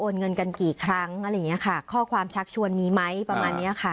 เงินกันกี่ครั้งอะไรอย่างเงี้ยค่ะข้อความชักชวนมีไหมประมาณเนี้ยค่ะ